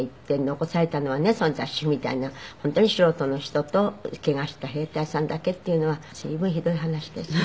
残されたのはね雑使婦みたいな本当に素人の人とケガした兵隊さんだけっていうのは随分ひどい話ですね。